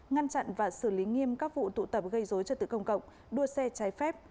ngăn chặn và xử lý nghiêm các vụ tụ tập gây dối trật tự công cộng đua xe trái phép